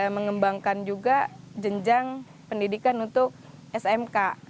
mengembangkan juga jenjang pendidikan untuk smk